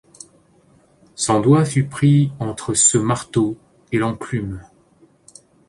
Son doigt fut pris entre ce marteau et l'enclume.